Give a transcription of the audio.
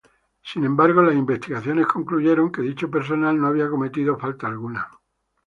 Sin embargo, las investigaciones concluyeron que dicho personal no había cometido falta alguna.